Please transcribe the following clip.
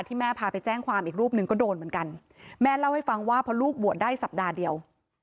แม่พาไปแจ้งความอีกรูปหนึ่งก็โดนเหมือนกันแม่เล่าให้ฟังว่าพอลูกบวชได้สัปดาห์เดียว